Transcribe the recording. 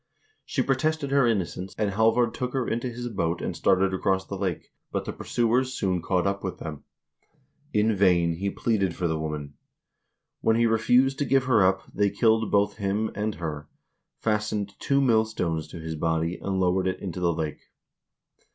She protested her innocence, and Halvard took her into his boat and started across the lake, but the pursuers soon caught up with them. In vain he pleaded for the woman. When he refused to give her up, they killed both him and her, fas tened two millstones to his body and lowered it into the lake.